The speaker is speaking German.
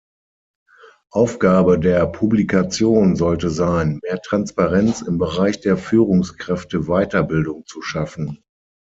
Aufgabe der Publikation sollte sein, mehr Transparenz im Bereich der Führungskräfte-Weiterbildung zu schaffen.